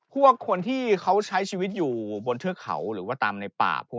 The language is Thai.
พวกคนที่เขาใช้ชีวิตอยู่บนเทือกเขาหรือว่าตามในป่าพวก